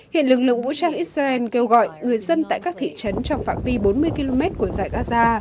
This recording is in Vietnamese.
hiện lực lượng vũ trang israel kêu gọi người dân tại các thị trấn trong phạm vi bốn mươi km của giải gaza